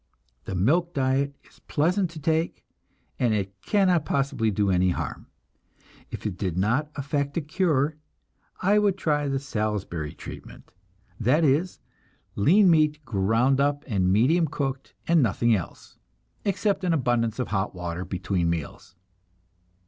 The milk diet is pleasant to take, and it cannot possibly do any harm. If it did not effect a cure, I would try the Salisbury treatment that is, lean meat ground up and medium cooked, and nothing else, except an abundance of hot water between meals.